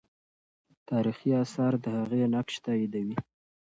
تاریخي آثار د هغې نقش تاییدوي.